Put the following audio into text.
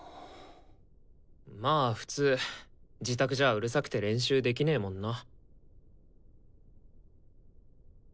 まあ普通自宅じゃうるさくて練習できねもんな。